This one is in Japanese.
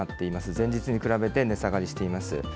前日に比べて値下がりしています。